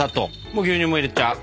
もう牛乳も入れちゃう。